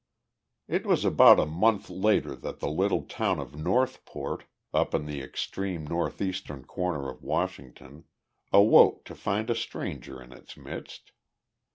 It was about a month later that the little town of Northport, up in the extreme northeastern corner of Washington, awoke to find a stranger in its midst.